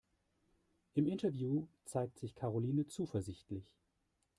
Im Interview zeigt sich Karoline zuversichtlich.